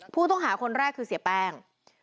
ผู้ต้องหาคนแรกคือเสียแป้ง